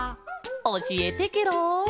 おしえてケロ！